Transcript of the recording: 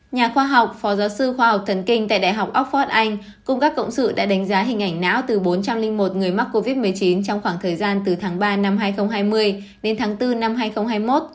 nhà khoa học phó giáo sư khoa học thần kinh tại đại học oxford anh cùng các cộng sự đã đánh giá hình ảnh não từ bốn trăm linh một người mắc covid một mươi chín trong khoảng thời gian từ tháng ba năm hai nghìn hai mươi đến tháng bốn năm hai nghìn hai mươi một